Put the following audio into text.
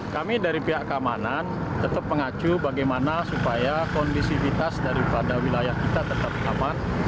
kami dari pihak keamanan tetap mengacu bagaimana supaya kondisivitas daripada wilayah kita tetap aman